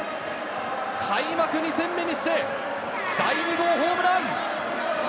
開幕２戦目にして第２号ホームラン！